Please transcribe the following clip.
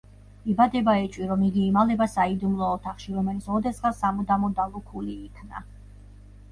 იბადება ეჭვი, რომ იგი იმალება საიდუმლო ოთახში, რომელიც ოდესღაც სამუდამოდ დალუქული იქნა.